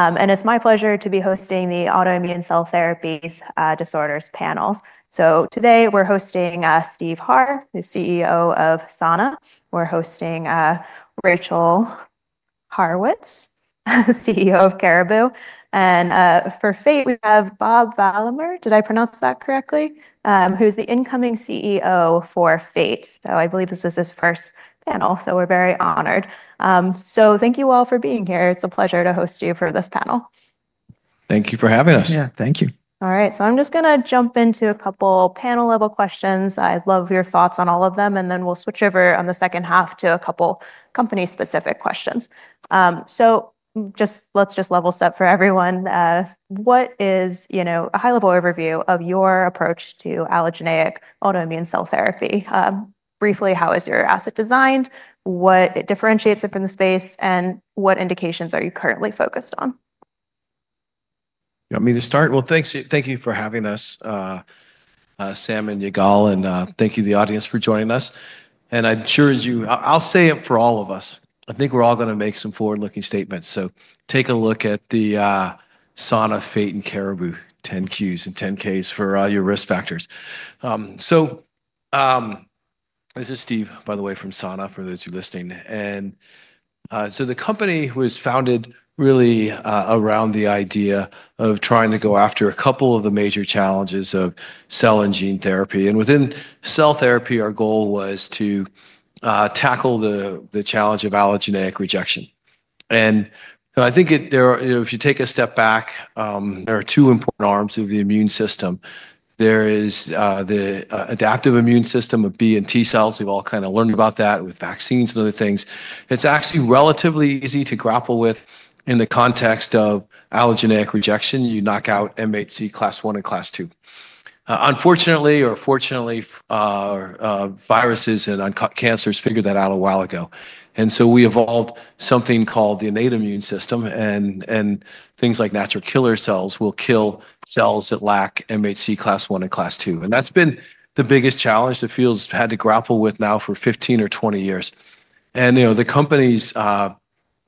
It's my pleasure to be hosting the autoimmune cell therapies disorders panels. Today we're hosting Steve Harr, the CEO of Sana. We're hosting Rachel Haurwitz, CEO of Caribou. For Fate, we have Bob Valamehr, did I pronounce that correctly, who's the incoming CEO for Fate. I believe this is his first panel, so we're very honored. Thank you all for being here. It's a pleasure to host you for this panel. Thank you for having us. Yeah, thank you. All right, so I'm just going to jump into a couple panel-level questions. I'd love your thoughts on all of them, and then we'll switch over on the second half to a couple company-specific questions. So let's just level set for everyone. What is a high-level overview of your approach to allogeneic autoimmune cell therapy? Briefly, how is your asset designed? What differentiates it from the space? And what indications are you currently focused on? I mean, to start, well, thank you for having us, Sam and Yigal, and thank you to the audience for joining us. I'm sure as you—I'll say it for all of us. I think we're all going to make some forward-looking statements, so take a look at the Sana, Fate and Caribou 10-Qs and 10-Ks for all your risk factors, so this is Steve, by the way, from Sana, for those who are listening. And so the company was founded really around the idea of trying to go after a couple of the major challenges of cell and gene therapy. Within cell therapy, our goal was to tackle the challenge of allogeneic rejection. I think if you take a step back, there are two important arms of the immune system. There is the adaptive immune system of B and T cells. We've all kind of learned about that with vaccines and other things. It's actually relatively easy to grapple with in the context of allogeneic rejection. You knock out MHC class one and class two. Unfortunately or fortunately, viruses and cancers figured that out a while ago. And so we evolved something called the innate immune system. And things like natural killer cells will kill cells that lack MHC class one and class two. And that's been the biggest challenge the field has had to grapple with now for 15 or 20 years. And the company's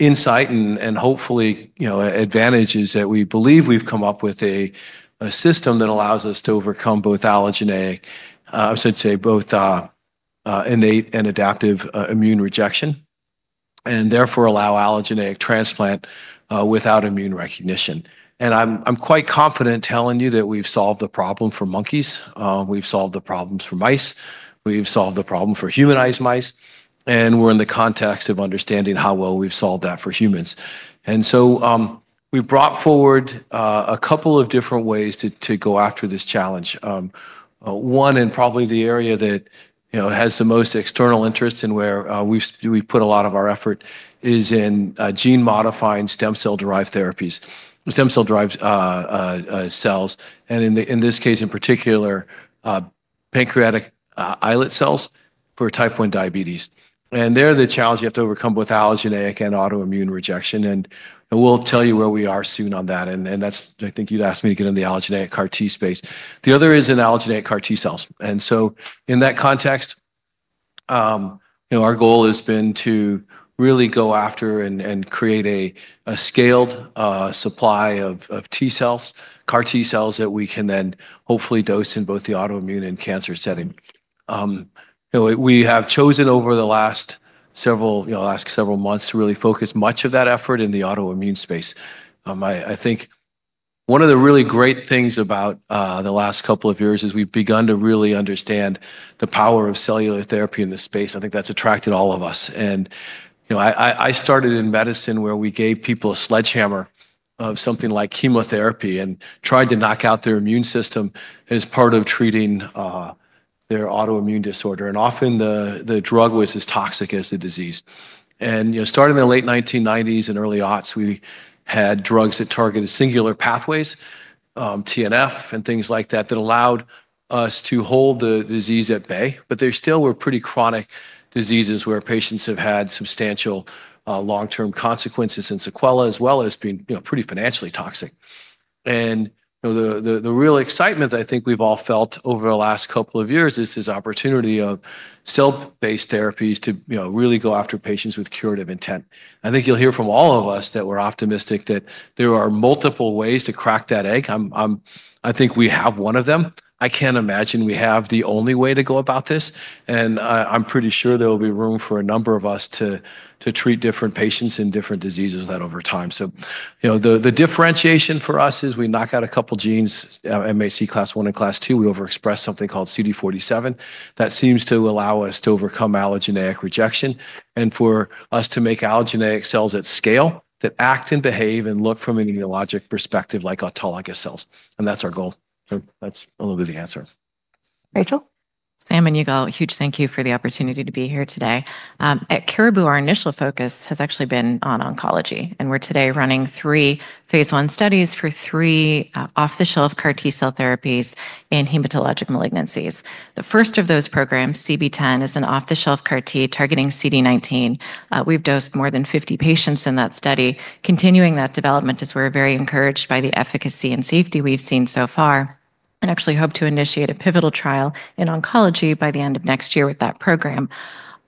insight and hopefully advantage is that we believe we've come up with a system that allows us to overcome both allogeneic. I should say both innate and adaptive immune rejection and therefore allow allogeneic transplant without immune recognition. And I'm quite confident telling you that we've solved the problem for monkeys. We've solved the problems for mice. We've solved the problem for humanized mice, and we're in the context of understanding how well we've solved that for humans, and so we've brought forward a couple of different ways to go after this challenge. One, and probably the area that has the most external interests and where we've put a lot of our effort, is in gene-modifying stem cell-derived therapies, stem cell-derived cells, and in this case in particular, pancreatic islet cells for type one diabetes, and they're the challenge you have to overcome with allogeneic and autoimmune rejection, and we'll tell you where we are soon on that. And that's, I think you'd asked me to get in the allogeneic CAR T space. The other is in allogeneic CAR T cells. And so in that context, our goal has been to really go after and create a scaled supply of T cells, CAR T cells that we can then hopefully dose in both the autoimmune and cancer setting. We have chosen over the last several months to really focus much of that effort in the autoimmune space. I think one of the really great things about the last couple of years is we've begun to really understand the power of cellular therapy in this space. I think that's attracted all of us. And I started in medicine where we gave people a sledgehammer of something like chemotherapy and tried to knock out their immune system as part of treating their autoimmune disorder. And often the drug was as toxic as the disease. Starting in the late 1990s and early aughts, we had drugs that targeted singular pathways, TNF and things like that, that allowed us to hold the disease at bay. There still were pretty chronic diseases where patients have had substantial long-term consequences and sequelae, as well as being pretty financially toxic. The real excitement that I think we've all felt over the last couple of years is this opportunity of cell-based therapies to really go after patients with curative intent. I think you'll hear from all of us that we're optimistic that there are multiple ways to crack that egg. I think we have one of them. I can't imagine we have the only way to go about this. I'm pretty sure there will be room for a number of us to treat different patients in different diseases over time. So the differentiation for us is we knock out a couple of genes, MHC class one and class two. We overexpress something called CD47. That seems to allow us to overcome allogeneic rejection and for us to make allogeneic cells at scale that act and behave and look from an immunologic perspective like autologous cells. And that's our goal. So that's a little bit of the answer. Rachel? Sam and Yigal, huge thank you for the opportunity to be here today. At Caribou, our initial focus has actually been on oncology. And we're today running three phase one studies for three off-the-shelf CAR T cell therapies in hematologic malignancies. The first of those programs, CB-010, is an off-the-shelf CAR T targeting CD19. We've dosed more than 50 patients in that study. Continuing that development is where we're very encouraged by the efficacy and safety we've seen so far. And actually hope to initiate a pivotal trial in oncology by the end of next year with that program.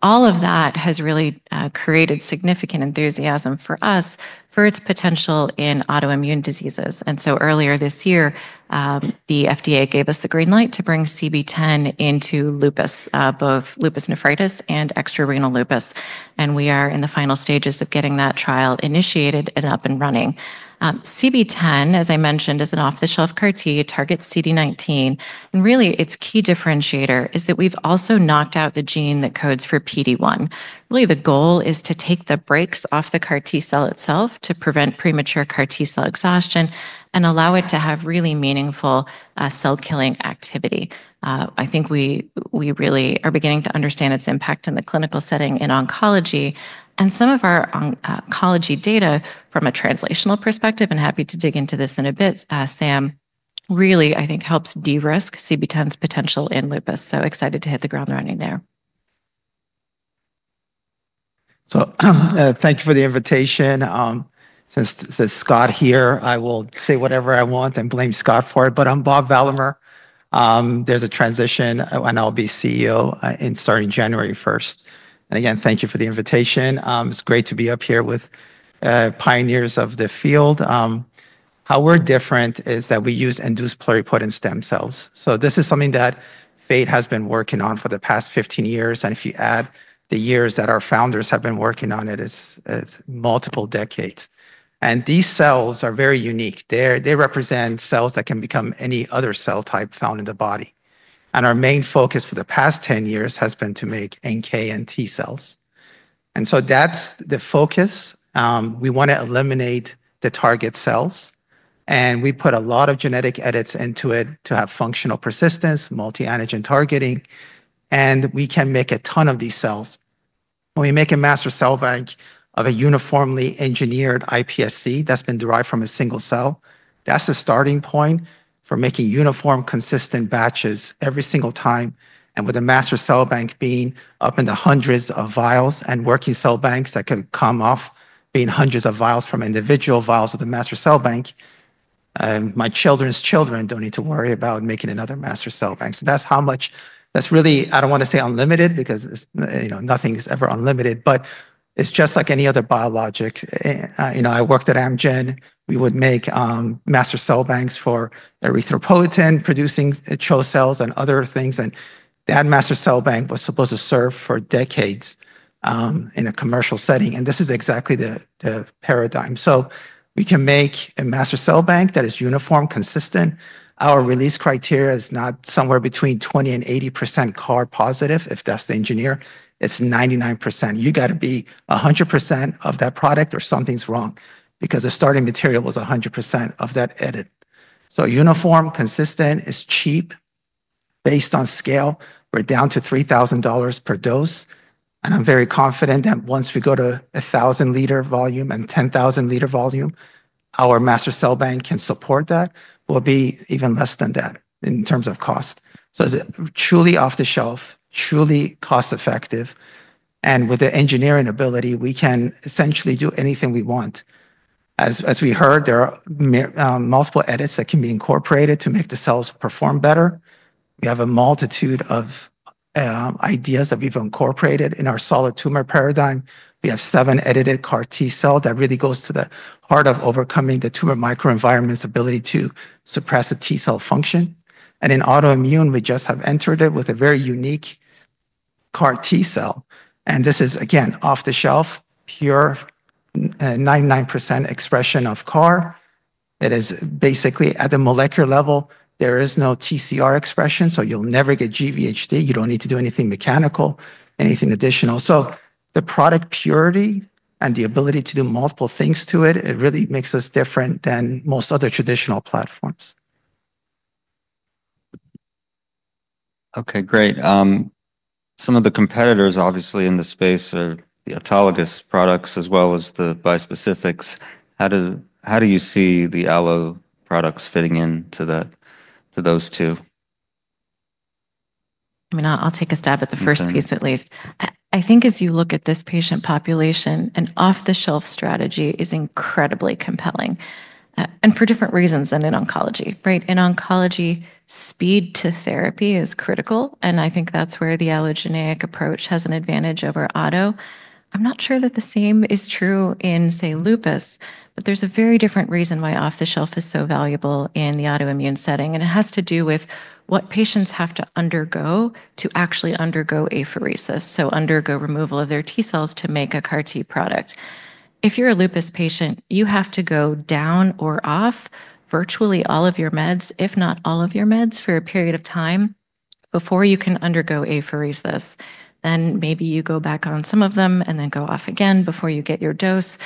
All of that has really created significant enthusiasm for us for its potential in autoimmune diseases. And so earlier this year, the FDA gave us the green light to bring CB-010 into lupus, both lupus nephritis and extra-renal lupus. We are in the final stages of getting that trial initiated and up and running. CB-010, as I mentioned, is an off-the-shelf CAR-T targeting CD19. Really, its key differentiator is that we've also knocked out the gene that codes for PD-1. Really, the goal is to take the brakes off the CAR-T cell itself to prevent premature CAR-T cell exhaustion and allow it to have really meaningful cell-killing activity. I think we really are beginning to understand its impact in the clinical setting in oncology. Some of our oncology data from a translational perspective, and happy to dig into this in a bit, Sam, really, I think, helps de-risk CB-010's potential in lupus. Excited to hit the ground running there. Thank you for the invitation. Since Scott's here, I will say whatever I want and blame Scott for it. I'm Bob Valamehr. There's a transition, and I'll be CEO starting January 1st. Again, thank you for the invitation. It's great to be up here with pioneers of the field. How we're different is that we use induced pluripotent stem cells. This is something that Fate has been working on for the past 15 years. If you add the years that our founders have been working on it, it's multiple decades. These cells are very unique. They represent cells that can become any other cell type found in the body. Our main focus for the past 10 years has been to make NK and T cells. That's the focus. We want to eliminate the target cells. And we put a lot of genetic edits into it to have functional persistence, multi-antigen targeting. And we can make a ton of these cells. When we make a master cell bank of a uniformly engineered iPSC that's been derived from a single cell, that's the starting point for making uniform, consistent batches every single time. And with a master cell bank being up in the hundreds of vials and working cell banks that can come off being hundreds of vials from individual vials of the master cell bank, my children's children don't need to worry about making another master cell bank. So that's how much that's really, I don't want to say unlimited because nothing is ever unlimited. But it's just like any other biologic. I worked at Amgen. We would make master cell banks for erythropoietin-producing CHO cells and other things. That master cell bank was supposed to serve for decades in a commercial setting. And this is exactly the paradigm. So we can make a master cell bank that is uniform, consistent. Our release criteria is not somewhere between 20%-80% CAR positive, if that's the engineer. It's 99%. You got to be 100% of that product or something's wrong because the starting material was 100% of that edit. So uniform, consistent is cheap. Based on scale, we're down to $3,000 per dose. And I'm very confident that once we go to 1,000-liter volume and 10,000-liter volume, our master cell bank can support that. We'll be even less than that in terms of cost. So it's truly off the shelf, truly cost-effective. And with the engineering ability, we can essentially do anything we want. As we heard, there are multiple edits that can be incorporated to make the cells perform better. We have a multitude of ideas that we've incorporated in our solid tumor paradigm. We have seven edited CAR T cells that really goes to the heart of overcoming the tumor microenvironment's ability to suppress a T cell function, and in autoimmune, we just have entered it with a very unique CAR T cell. And this is, again, off the shelf, pure 99% expression of CAR. It is basically at the molecular level. There is no TCR expression, so you'll never get GVHD. You don't need to do anything mechanical, anything additional, so the product purity and the ability to do multiple things to it, it really makes us different than most other traditional platforms. Okay, great. Some of the competitors, obviously, in the space are the autologous products as well as the bispecifics. How do you see the allo products fitting into those two? I mean, I'll take a stab at the first piece at least. I think as you look at this patient population, an off-the-shelf strategy is incredibly compelling. And for different reasons than in oncology, right? In oncology, speed to therapy is critical. And I think that's where the allogeneic approach has an advantage over auto. I'm not sure that the same is true in, say, lupus, but there's a very different reason why off-the-shelf is so valuable in the autoimmune setting. And it has to do with what patients have to undergo to actually undergo apheresis, so undergo removal of their T cells to make a CAR T product. If you're a lupus patient, you have to go down or off virtually all of your meds, if not all of your meds, for a period of time before you can undergo apheresis. Then maybe you go back on some of them and then go off again before you get your dose.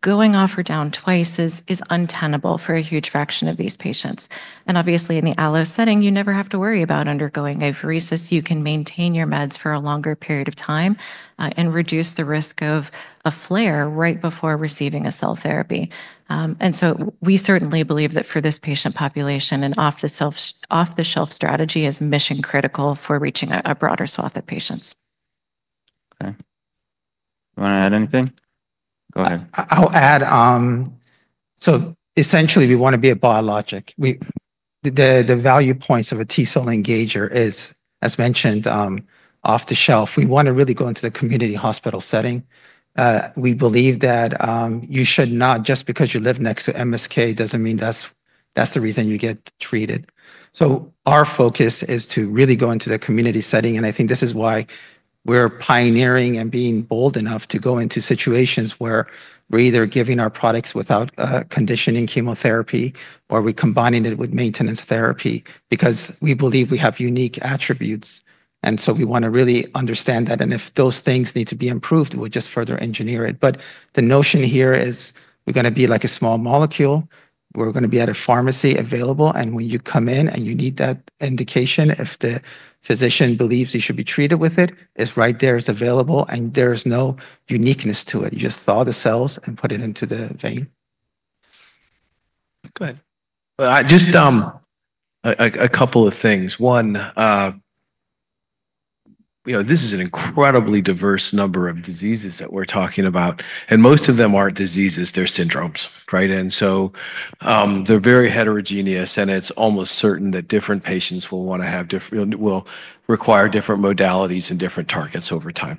Going off or down twice is untenable for a huge fraction of these patients. And obviously, in the allo setting, you never have to worry about undergoing apheresis. You can maintain your meds for a longer period of time and reduce the risk of a flare right before receiving a cell therapy. And so we certainly believe that for this patient population, an off-the-shelf strategy is mission-critical for reaching a broader swath of patients. Okay. You want to add anything? Go ahead. I'll add so essentially we want to be a biologic. The value points of a T cell engager is, as mentioned, off-the-shelf. We want to really go into the community hospital setting. We believe that you should not, just because you live next to MSK, doesn't mean that's the reason you get treated, so our focus is to really go into the community setting, and I think this is why we're pioneering and being bold enough to go into situations where we're either giving our products without conditioning chemotherapy or we're combining it with maintenance therapy because we believe we have unique attributes, and so we want to really understand that. And if those things need to be improved, we'll just further engineer it, but the notion here is we're going to be like a small molecule. We're going to be at a pharmacy available. And when you come in and you need that indication, if the physician believes you should be treated with it, it's right there. It's available. And there is no uniqueness to it. You just thaw the cells and put it into the vein. Go ahead. Just a couple of things. One, this is an incredibly diverse number of diseases that we're talking about. And most of them aren't diseases. They're syndromes, right? And so they're very heterogeneous. And it's almost certain that different patients will require different modalities and different targets over time.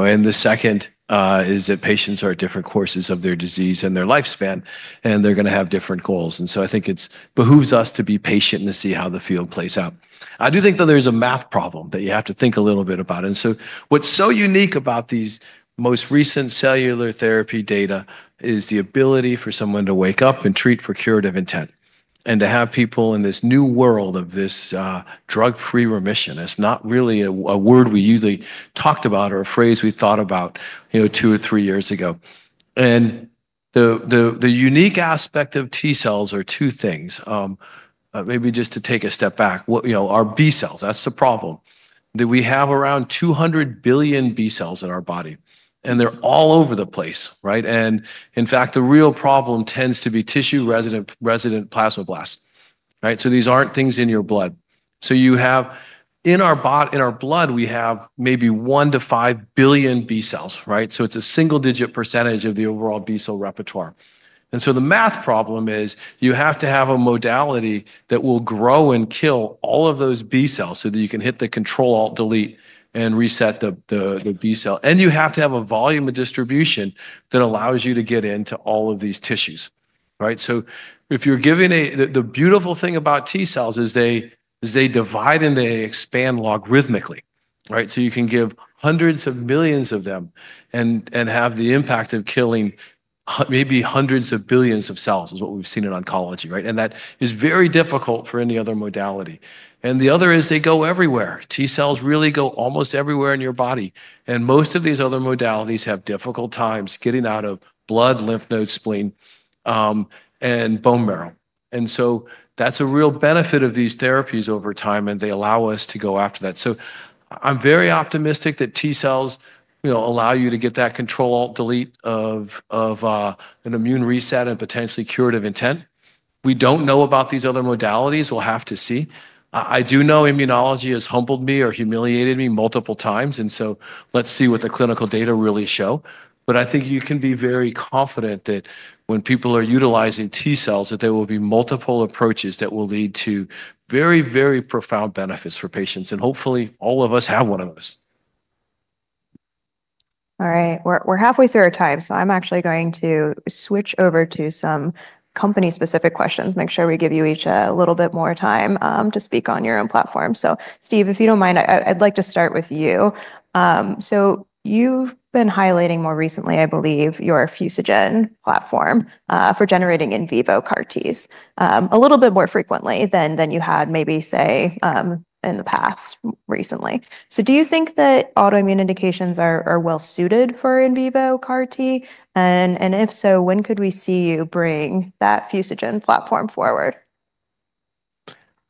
And the second is that patients are at different courses of their disease and their lifespan, and they're going to have different goals. And so I think it behooves us to be patient and to see how the field plays out. I do think that there's a math problem that you have to think a little bit about. And so what's so unique about these most recent cellular therapy data is the ability for someone to wake up and treat for curative intent and to have people in this new world of this drug-free remission. It's not really a word we usually talked about or a phrase we thought about two or three years ago. And the unique aspect of T cells are two things. Maybe just to take a step back, our B cells, that's the problem. We have around 200 billion B cells in our body. And they're all over the place, right? And in fact, the real problem tends to be tissue-resident plasma blasts, right? So these aren't things in your blood. So in our blood, we have maybe 1 to 5 billion B cells, right? So it's a single-digit percentage of the overall B cell repertoire. And so the math problem is you have to have a modality that will grow and kill all of those B cells so that you can hit the Control-Alt-Delete and reset the B cell. You have to have a volume of distribution that allows you to get into all of these tissues, right? So if you're giving, the beautiful thing about T cells is they divide and they expand logarithmically, right? So you can give hundreds of millions of them and have the impact of killing maybe hundreds of billions of cells is what we've seen in oncology, right? And that is very difficult for any other modality. The other is they go everywhere. T cells really go almost everywhere in your body. And most of these other modalities have difficult times getting out of blood, lymph nodes, spleen, and bone marrow. So that's a real benefit of these therapies over time. They allow us to go after that. I'm very optimistic that T cells allow you to get that Control-Alt-Delete of an immune reset and potentially curative intent. We don't know about these other modalities. We'll have to see. I do know immunology has humbled me or humiliated me multiple times. Let's see what the clinical data really show. I think you can be very confident that when people are utilizing T cells, that there will be multiple approaches that will lead to very, very profound benefits for patients. Hopefully, all of us have one of those. All right. We're halfway through our time. So I'm actually going to switch over to some company-specific questions, make sure we give you each a little bit more time to speak on your own platform. So Steve, if you don't mind, I'd like to start with you. So you've been highlighting more recently, I believe, your Fusogen platform for generating in vivo CAR Ts a little bit more frequently than you had maybe, say, in the past recently. So do you think that autoimmune indications are well-suited for in vivo CAR T? And if so, when could we see you bring that Fusogen platform forward?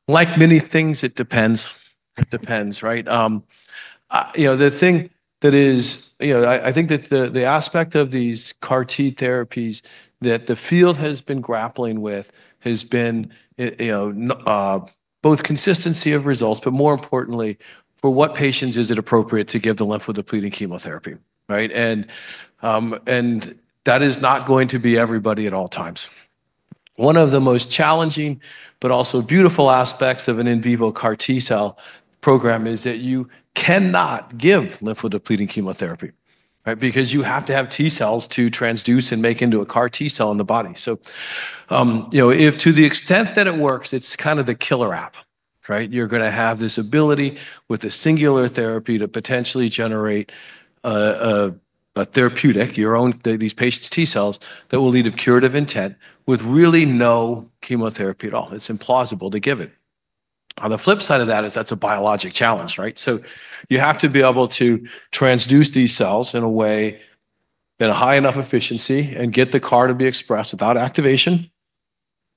Like many things, it depends. It depends, right? The thing that is I think that the aspect of these CAR T therapies that the field has been grappling with has been both consistency of results, but more importantly, for what patients is it appropriate to give the lymphodepleting chemotherapy, right? And that is not going to be everybody at all times. One of the most challenging, but also beautiful aspects of an in vivo CAR T cell program is that you cannot give lymphodepleting chemotherapy, right? Because you have to have T cells to transduce and make into a CAR T cell in the body. So to the extent that it works, it's kind of the killer app, right? You're going to have this ability with a singular therapy to potentially generate a therapeutic, your own, these patients' T cells that will lead to curative intent with really no chemotherapy at all. It's implausible to give it. On the flip side of that is that's a biologic challenge, right? So you have to be able to transduce these cells in a way at a high enough efficiency and get the CAR to be expressed without activation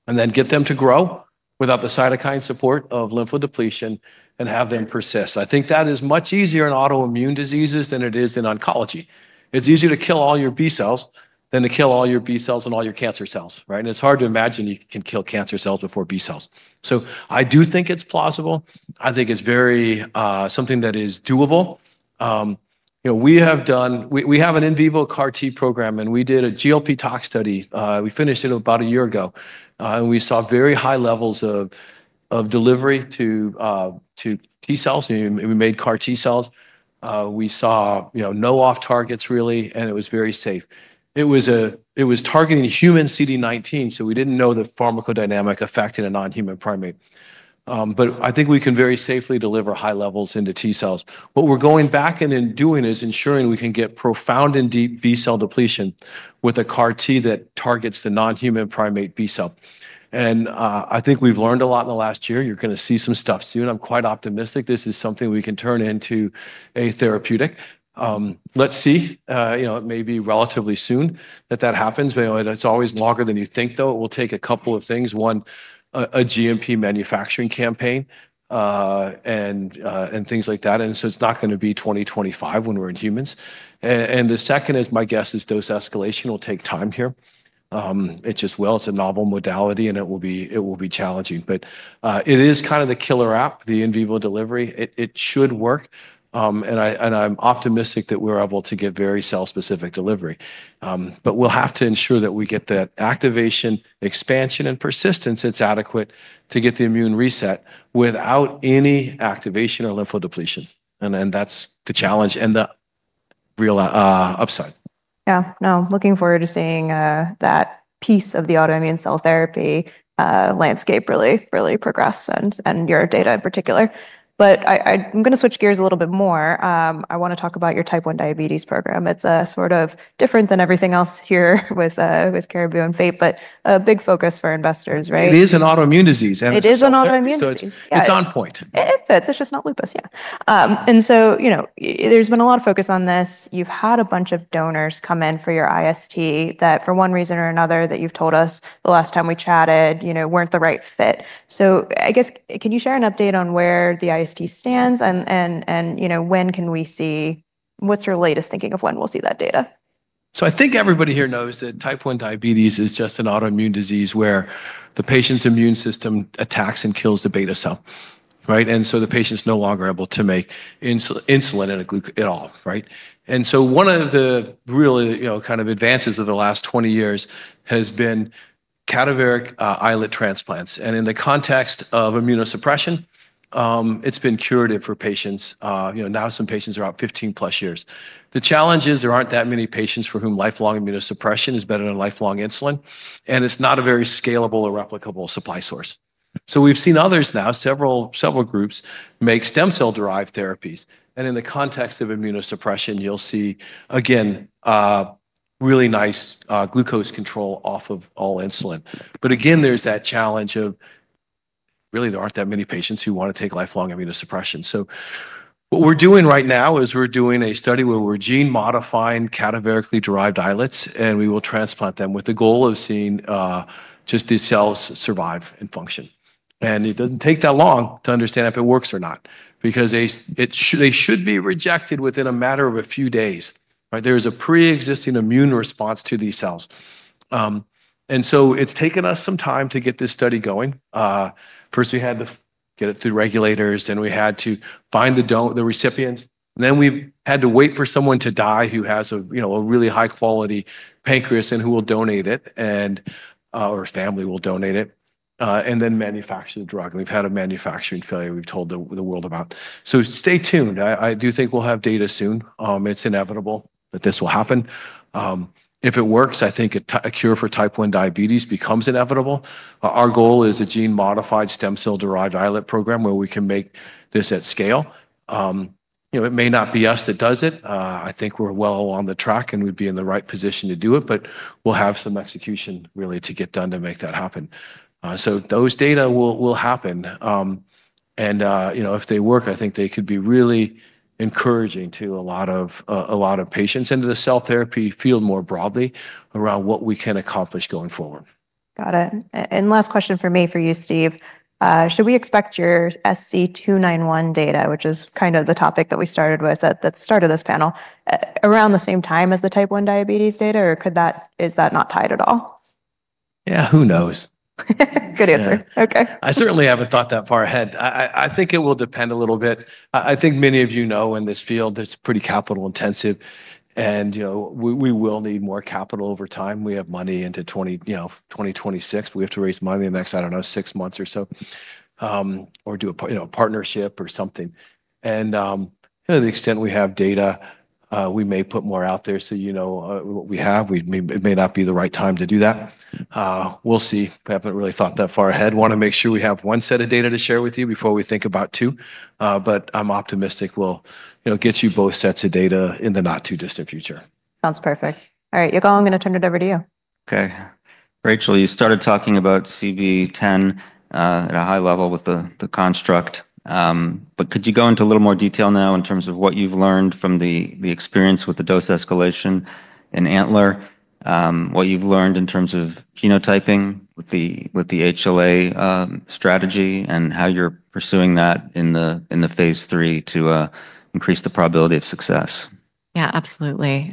and then get them to grow without the cytokine support of lymphodepletion and have them persist. I think that is much easier in autoimmune diseases than it is in oncology. It's easier to kill all your B cells than to kill all your B cells and all your cancer cells, right? And it's hard to imagine you can kill cancer cells before B cells. So I do think it's plausible. I think it's very something that is doable. We have done we have an in vivo CAR T program. And we did a GLP-tox study. We finished it about a year ago. And we saw very high levels of delivery to T cells. We made CAR T cells. We saw no off targets, really. And it was very safe. It was targeting human CD19. So we didn't know the pharmacodynamic effect in a non-human primate. But I think we can very safely deliver high levels into T cells. What we're going back and doing is ensuring we can get profound and deep B cell depletion with a CAR T that targets the non-human primate B cell. And I think we've learned a lot in the last year. You're going to see some stuff soon. I'm quite optimistic. This is something we can turn into a therapeutic. Let's see. It may be relatively soon that that happens. But it's always longer than you think, though. It will take a couple of things. One, a GMP manufacturing campaign and things like that. And so it's not going to be 2025 when we're in humans. And the second is my guess is dose escalation will take time here. It just will. It's a novel modality. And it will be challenging. But it is kind of the killer app, the in vivo delivery. It should work. And I'm optimistic that we're able to get very cell-specific delivery. But we'll have to ensure that we get that activation, expansion, and persistence that's adequate to get the immune reset without any activation or lymphodepletion. And then that's the challenge and the real upside. Yeah. No, looking forward to seeing that piece of the autoimmune cell therapy landscape really progress and your data in particular. But I'm going to switch gears a little bit more. I want to talk about your type 1 diabetes program. It's sort of different than everything else here with Caribou and Fate, but a big focus for investors, right? It is an autoimmune disease. It is an autoimmune disease. It's on point. It fits. It's just not lupus, yeah. So there's been a lot of focus on this. You've had a bunch of donors come in for your IST that, for one reason or another, you've told us the last time we chatted, weren't the right fit. So I guess, can you share an update on where the IST stands? And when can we see? What's your latest thinking of when we'll see that data? I think everybody here knows that type 1 diabetes is just an autoimmune disease where the patient's immune system attacks and kills the beta cell, right? And so the patient's no longer able to make insulin at all, right? And so one of the really kind of advances of the last 20 years has been cadaveric islet transplants. And in the context of immunosuppression, it's been curative for patients. Now some patients are about 15-plus years. The challenge is there aren't that many patients for whom lifelong immunosuppression is better than lifelong insulin. And it's not a very scalable or replicable supply source. So we've seen others now, several groups, make stem cell-derived therapies. And in the context of immunosuppression, you'll see, again, really nice glucose control off of all insulin. But again, there's that challenge of really, there aren't that many patients who want to take lifelong immunosuppression. So what we're doing right now is we're doing a study where we're gene-modifying cadaverically-derived islets, and we will transplant them with the goal of seeing just these cells survive and function, and it doesn't take that long to understand if it works or not because they should be rejected within a matter of a few days, right? There is a pre-existing immune response to these cells, and so it's taken us some time to get this study going. First, we had to get it through regulators. Then we had to find the recipients, then we had to wait for someone to die who has a really high-quality pancreas and who will donate it or family will donate it and then manufacture the drug, and we've had a manufacturing failure we've told the world about, so stay tuned. I do think we'll have data soon. It's inevitable that this will happen. If it works, I think a cure for Type 1 diabetes becomes inevitable. Our goal is a gene-modified stem cell-derived islet program where we can make this at scale. It may not be us that does it. I think we're well on the track and we'd be in the right position to do it. But we'll have some execution really to get done to make that happen. So those data will happen. And if they work, I think they could be really encouraging to a lot of patients and to the cell therapy field more broadly around what we can accomplish going forward. Got it. And last question for me for you, Steve. Should we expect your SC291 data, which is kind of the topic that we started with at the start of this panel, around the same time as the type 1 diabetes data? Or is that not tied at all? Yeah, who knows? Good answer. Okay. I certainly haven't thought that far ahead. I think it will depend a little bit. I think many of you know in this field, it's pretty capital-intensive. And we will need more capital over time. We have money into 2026. We have to raise money the next, I don't know, six months or so or do a partnership or something. And to the extent we have data, we may put more out there. So you know what we have, it may not be the right time to do that. We'll see. We haven't really thought that far ahead. Want to make sure we have one set of data to share with you before we think about two. But I'm optimistic we'll get you both sets of data in the not-too-distant future. Sounds perfect. All right. Yigal, I'm going to turn it over to you. Okay. Rachel, you started talking about CB-010 at a high level with the construct. But could you go into a little more detail now in terms of what you've learned from the experience with the dose escalation in Antler? What you've learned in terms of genotyping with the HLA strategy and how you're pursuing that in the phase three to increase the probability of success? Yeah, absolutely.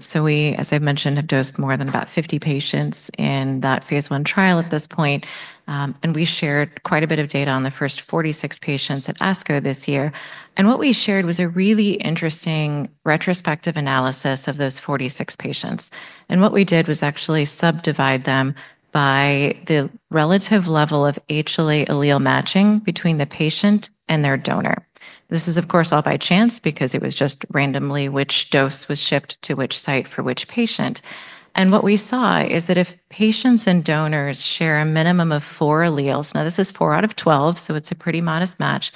So we, as I've mentioned, have dosed more than about 50 patients in that phase one trial at this point. And we shared quite a bit of data on the first 46 patients at ASCO this year. And what we shared was a really interesting retrospective analysis of those 46 patients. And what we did was actually subdivide them by the relative level of HLA allele matching between the patient and their donor. This is, of course, all by chance because it was just randomly which dose was shipped to which site for which patient. And what we saw is that if patients and donors share a minimum of four alleles now this is four out of 12, so it's a pretty modest match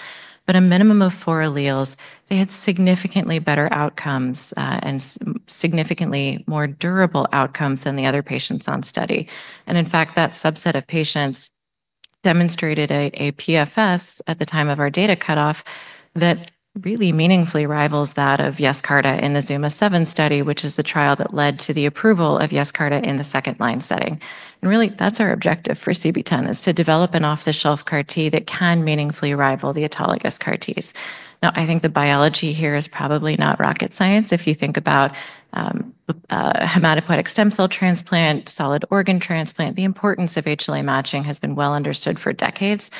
but a minimum of four alleles, they had significantly better outcomes and significantly more durable outcomes than the other patients on study. And in fact, that subset of patients demonstrated a PFS at the time of our data cutoff that really meaningfully rivals that of Yescarta in the Zuma-7 study, which is the trial that led to the approval of Yescarta in the second-line setting. And really, that's our objective for CB-010 is to develop an off-the-shelf CAR T that can meaningfully rival the autologous CAR Ts. Now, I think the biology here is probably not rocket science. If you think about hematopoietic stem cell transplant, solid organ transplant, the importance of HLA matching has been well understood for decades.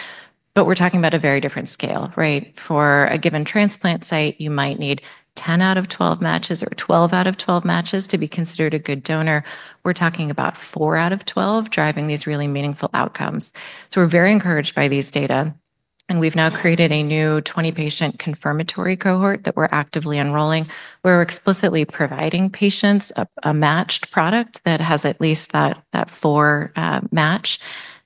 But we're talking about a very different scale, right? For a given transplant site, you might need 10 out of 12 matches or 12 out of 12 matches to be considered a good donor. We're talking about four out of 12 driving these really meaningful outcomes. So we're very encouraged by these data. And we've now created a new 20-patient confirmatory cohort that we're actively enrolling. We're explicitly providing patients a matched product that has at least that four match.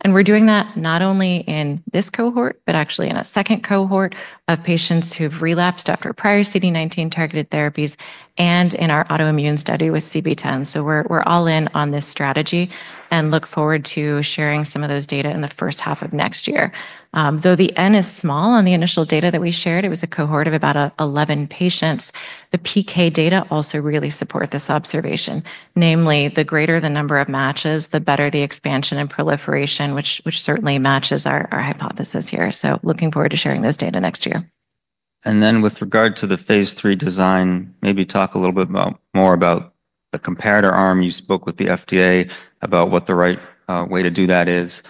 And we're doing that not only in this cohort, but actually in a second cohort of patients who've relapsed after prior CD19 targeted therapies and in our autoimmune study with CB-010. So we're all in on this strategy and look forward to sharing some of those data in the first half of next year. Though the N is small on the initial data that we shared, it was a cohort of about 11 patients. The PK data also really support this observation, namely, the greater the number of matches, the better the expansion and proliferation, which certainly matches our hypothesis here. So looking forward to sharing those data next year. With regard to the phase three design, maybe talk a little bit more about the comparator arm. You spoke with the FDA about what the right way to do that is.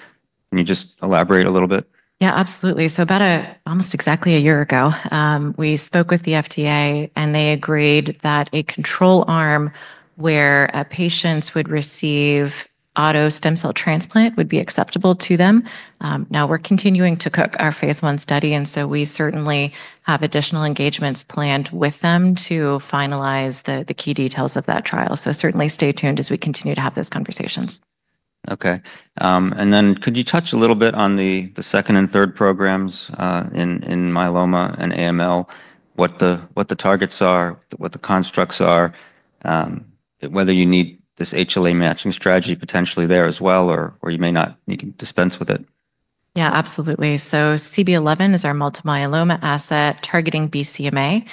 Can you just elaborate a little bit? Yeah, absolutely. So about almost exactly a year ago, we spoke with the FDA. And they agreed that a control arm where patients would receive auto stem cell transplant would be acceptable to them. Now, we're continuing to cook our phase one study. And so we certainly have additional engagements planned with them to finalize the key details of that trial. So certainly stay tuned as we continue to have those conversations. Okay. And then could you touch a little bit on the second and third programs in myeloma and AML, what the targets are, what the constructs are, whether you need this HLA matching strategy potentially there as well, or you may not need to dispense with it? Yeah, absolutely. So CB-011 is our multiple myeloma asset targeting BCMA.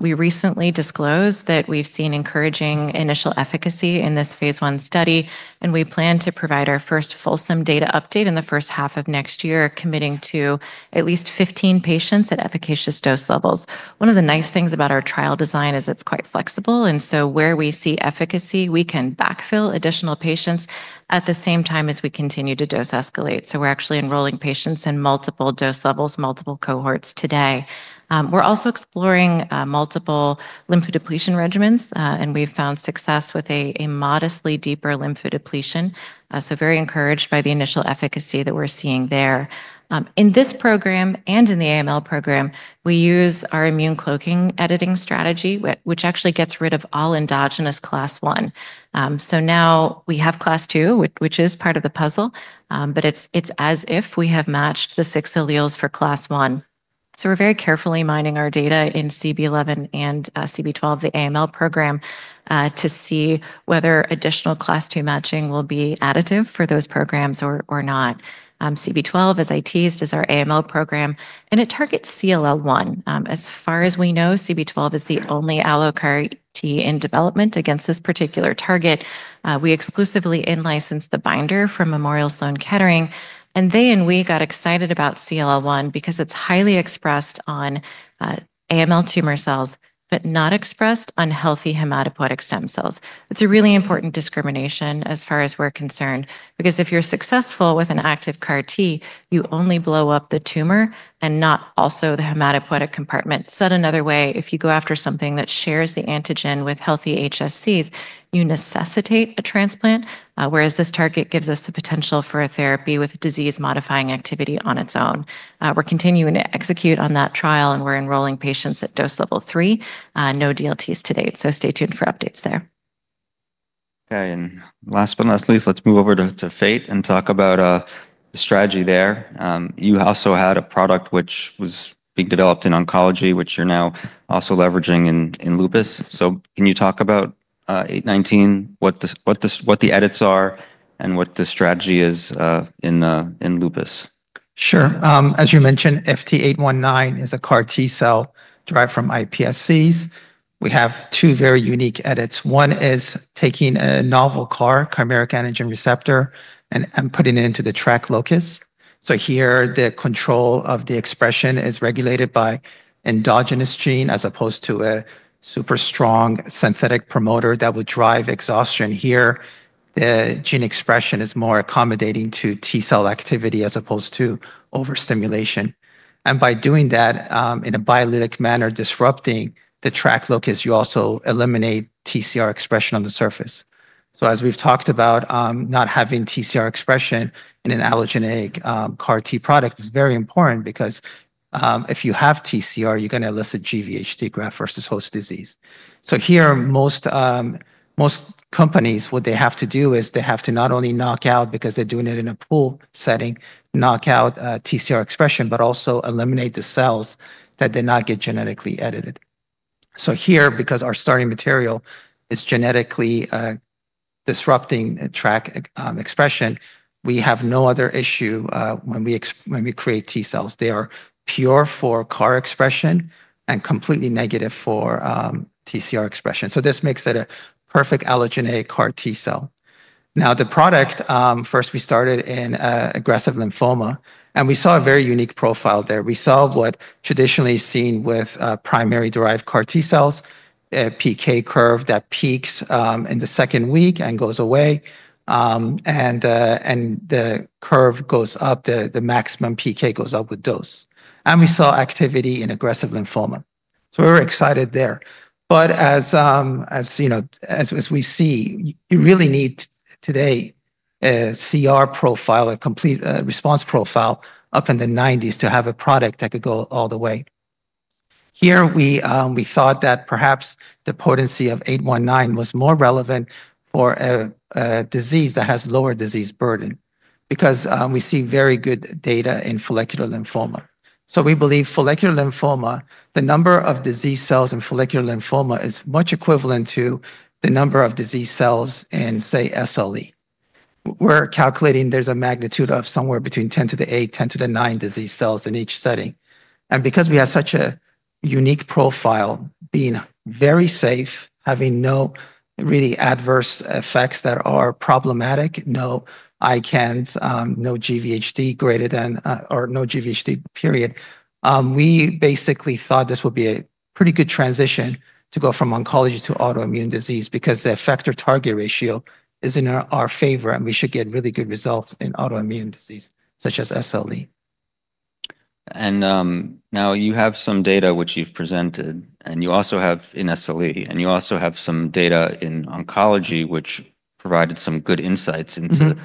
We recently disclosed that we've seen encouraging initial efficacy in this phase 1 study. And we plan to provide our first fulsome data update in the first half of next year, committing to at least 15 patients at efficacious dose levels. One of the nice things about our trial design is it's quite flexible. And so where we see efficacy, we can backfill additional patients at the same time as we continue to dose escalate. So we're actually enrolling patients in multiple dose levels, multiple cohorts today. We're also exploring multiple lymphodepletion regimens. And we've found success with a modestly deeper lymphodepletion. So very encouraged by the initial efficacy that we're seeing there. In this program and in the AML program, we use our immune cloaking editing strategy, which actually gets rid of all endogenous class 1. So now we have class 2, which is part of the puzzle. But it's as if we have matched the six alleles for class 1. So we're very carefully mining our data in CB-011 and CB-012, the AML program, to see whether additional class 2 matching will be additive for those programs or not. CB-012 is our AML program. And it targets CLL-1. As far as we know, CB-012 is the only allogeneic CAR-T in development against this particular target. We exclusively in-licensed the binder from Memorial Sloan Kettering. And they and we got excited about CLL-1 because it's highly expressed on AML tumor cells but not expressed on healthy hematopoietic stem cells. It's a really important discrimination as far as we're concerned because if you're successful with an active CAR-T, you only blow up the tumor and not also the hematopoietic compartment. Said another way, if you go after something that shares the antigen with healthy HSCs, you necessitate a transplant, whereas this target gives us the potential for a therapy with disease-modifying activity on its own. We're continuing to execute on that trial. And we're enrolling patients at dose level three. No DLTs to date. So stay tuned for updates there. Okay. And last but not least, let's move over to Fate and talk about the strategy there. You also had a product which was being developed in oncology, which you're now also leveraging in lupus. So can you talk about 819, what the edits are and what the strategy is in lupus? Sure. As you mentioned, FT819 is a CAR T cell derived from IPSCs. We have two very unique edits. One is taking a novel CAR, chimeric antigen receptor, and putting it into the TRAC locus. So here, the control of the expression is regulated by endogenous gene as opposed to a super strong synthetic promoter that would drive exhaustion. Here, the gene expression is more accommodating to T cell activity as opposed to overstimulation. And by doing that in a biallelic manner, disrupting the TRAC locus, you also eliminate TCR expression on the surface. So as we've talked about, not having TCR expression in an allogeneic CAR T product is very important because if you have TCR, you're going to elicit GVHD, graft-versus-host disease. So here, most companies, what they have to do is they have to not only knock out, because they're doing it in a pool setting, knock out TCR expression, but also eliminate the cells that did not get genetically edited. So here, because our starting material is genetically disrupting TRAC expression, we have no other issue when we create T cells. They are pure for CAR expression and completely negative for TCR expression. So this makes it a perfect allogeneic CAR T cell. Now, the product, first, we started in aggressive lymphoma. And we saw a very unique profile there. We saw what traditionally is seen with primary-derived CAR T cells, a PK curve that peaks in the second week and goes away. And the curve goes up. The maximum PK goes up with dose. And we saw activity in aggressive lymphoma. So we were excited there. But as we see, you really need today a CR profile, a complete response profile up in the 90s% to have a product that could go all the way. Here, we thought that perhaps the potency of 819 was more relevant for a disease that has lower disease burden because we see very good data in follicular lymphoma. So we believe follicular lymphoma, the number of disease cells in follicular lymphoma is much equivalent to the number of disease cells in, say, SLE. We're calculating there's a magnitude of somewhere between 10 to the 8, 10 to the 9 disease cells in each setting. Because we have such a unique profile, being very safe, having no really adverse effects that are problematic, no ICANS, no GVHD greater than or no GVHD period, we basically thought this would be a pretty good transition to go from oncology to autoimmune disease because the effector-target ratio is in our favor. We should get really good results in autoimmune disease, such as SLE. Now you have some data, which you've presented. You also have in SLE. You also have some data in oncology, which provided some good insights into the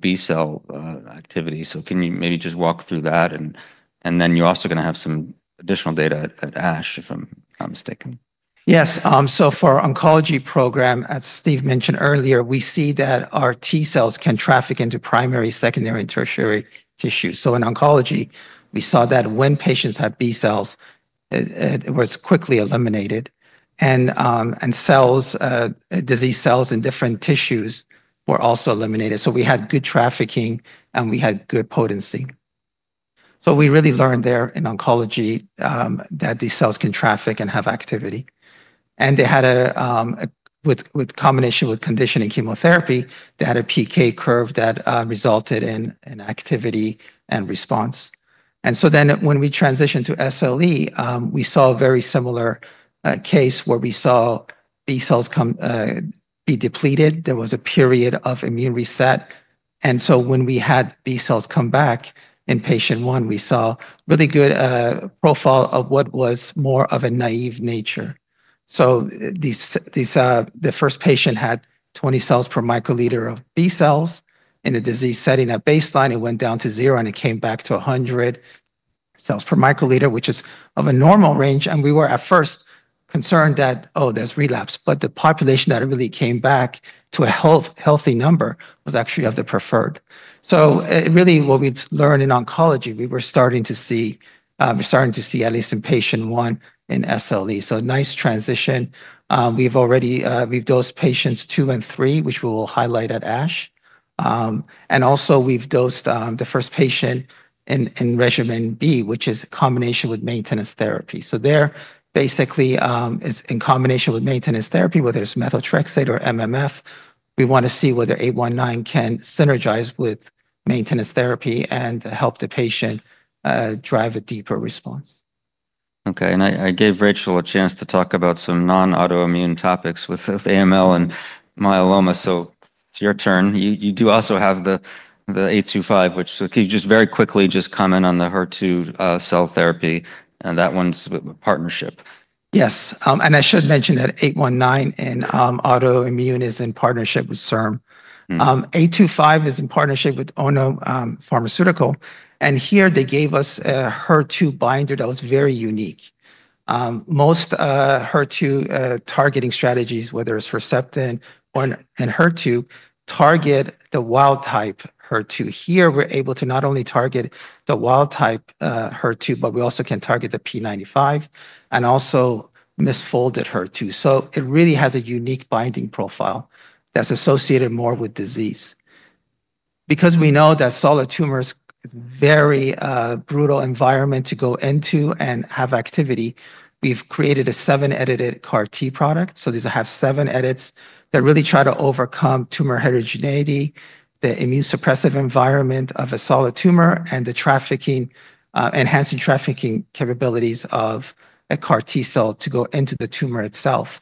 B cell activity. Can you maybe just walk through that? You're also going to have some additional data at ASH, if I'm not mistaken. Yes. So for our oncology program, as Steve mentioned earlier, we see that our T cells can traffic into primary, secondary, and tertiary tissue. So in oncology, we saw that when patients had B cells, it was quickly eliminated. And disease cells in different tissues were also eliminated. So we had good trafficking. And we had good potency. So we really learned there in oncology that these cells can traffic and have activity. And with combination with conditioning chemotherapy, they had a PK curve that resulted in activity and response. And so then when we transitioned to SLE, we saw a very similar case where we saw B cells be depleted. There was a period of immune reset. And so when we had B cells come back in patient one, we saw really good profile of what was more of a naive nature. So the first patient had 20 cells per microliter of B cells. In the disease setting, at baseline, it went down to 0. And it came back to 100 cells per microliter, which is of a normal range. And we were at first concerned that, oh, there's relapse. But the population that really came back to a healthy number was actually of the preferred. So really, what we learned in oncology, we were starting to see at least in patient one in SLE. So nice transition. We've dosed patients two and three, which we will highlight at ASH. And also, we've dosed the first patient in regimen B, which is a combination with maintenance therapy. So there, basically, it's in combination with maintenance therapy, whether it's methotrexate or MMF. We want to see whether 819 can synergize with maintenance therapy and help the patient drive a deeper response. Okay. And I gave Rachel a chance to talk about some non-autoimmune topics with AML and myeloma. So it's your turn. You do also have the 825, which can you just very quickly just comment on the HER2 cell therapy and that one's partnership? Yes. I should mention that 819 in autoimmune is in partnership with CIRM. 825 is in partnership with Ono Pharmaceutical. And here, they gave us a HER2 binder that was very unique. Most HER2 targeting strategies, whether it's Herceptin or an HER2, target the wild type HER2. Here, we're able to not only target the wild type HER2, but we also can target the p95 and also misfolded HER2. So it really has a unique binding profile that's associated more with disease. Because we know that solid tumor is a very brutal environment to go into and have activity, we've created a seven-edited CAR-T product. So these have seven edits that really try to overcome tumor heterogeneity, the immune suppressive environment of a solid tumor, and the enhancing trafficking capabilities of a CAR-T cell to go into the tumor itself.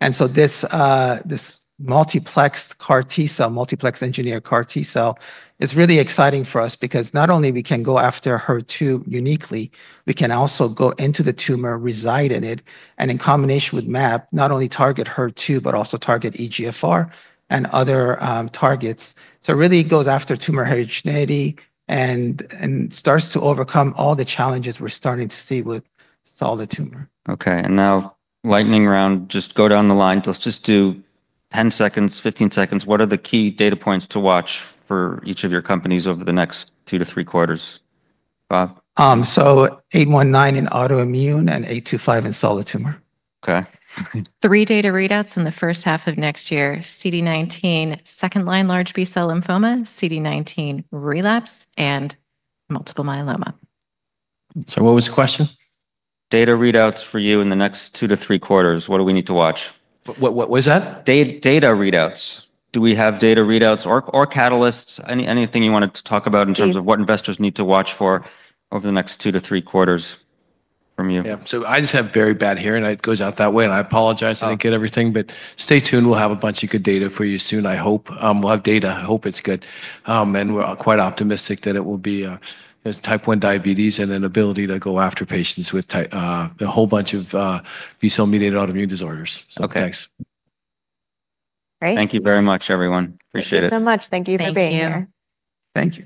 This multiplexed CAR T cell, multiplexed engineered CAR T cell, is really exciting for us because not only can we go after HER2 uniquely, we can also go into the tumor, reside in it, and in combination with MAP, not only target HER2, but also target EGFR and other targets. It really goes after tumor heterogeneity and starts to overcome all the challenges we're starting to see with solid tumor. Okay. And now lightning round, just go down the line. Let's just do 10 seconds, 15 seconds. What are the key data points to watch for each of your companies over the next two to three quarters? Bob? 819 in autoimmune and 825 in solid tumor. Okay. Three data readouts in the first half of next year, CD19 second-line large B-cell lymphoma, CD19 relapse, and multiple myeloma. So what was the question? Data readouts for you in the next two to three quarters. What do we need to watch? What was that? Data readouts. Do we have data readouts or catalysts? Anything you wanted to talk about in terms of what investors need to watch for over the next two to three quarters from you? Yeah. So I just have very bad hearing. It goes out that way. And I apologize. I didn't get everything. But stay tuned. We'll have a bunch of good data for you soon, I hope. We'll have data. I hope it's good. And we're quite optimistic that it will be type 1 diabetes and an ability to go after patients with a whole bunch of B cell-mediated autoimmune disorders. So thanks. Great. Thank you very much, everyone. Appreciate it. Thank you so much. Thank you for being here. Thank you. Thank you.